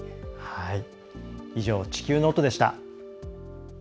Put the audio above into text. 以上「地球ノート」でした。